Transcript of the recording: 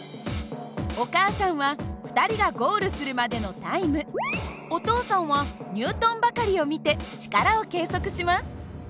お母さんは２人がゴールするまでのタイムお父さんはニュートン計りを見て力を計測します。